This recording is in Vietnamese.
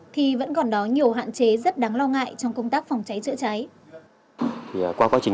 thì vẫn còn đó nhiều hạn chế rất đáng lo ngại trong công tác phòng cháy chữa cháy